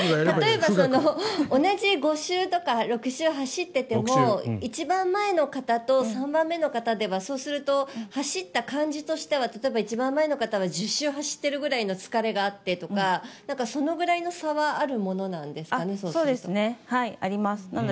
例えば同じ５周とか６周走ってても一番前の方と３番目の方ではそうすると走った感じとしては一番前の人は１０周ぐらい走っている疲れがあってとかそのぐらいの差ははい、あります。